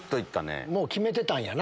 もう決めてたんやな